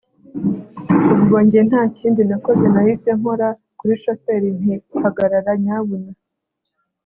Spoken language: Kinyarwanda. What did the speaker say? ubwonjye ntakindi nakoze nahise nkora kuri shoferi nti hagarara nyabuna